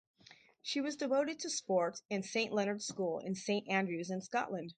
She was devoted to sport and St Leonards School in St Andrews in Scotland.